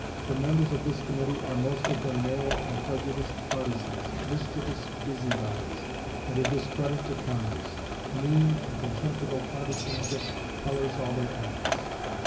The members of this committee "are most of them narrow and prejudiced partisans, mischievous busybodies, and a discredit to Congress. Mean and contemptible partisanship colors all their acts."